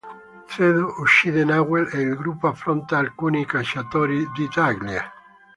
Zemo uccide Nagel e il gruppo affronta alcuni cacciatori di taglie.